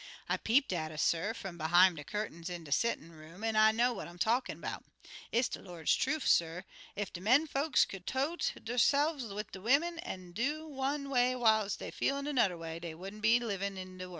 I peeped at 'er, suh, fum behime de curtains in de settin' room, an' I know what I'm talkin' 'bout. It's de Lord's trufe, suh, ef de men folks could tote derse'f like de wimmen, an' do one way whiles dey feelin' annuder way, dey wouldn't be no livin' in de worl'.